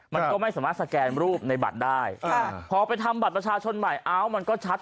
มันก็ไม่สามารถสแกนรูปในบัตรได้พอไปทำบัตรประชาชนใหม่เอ้ามันก็ชัด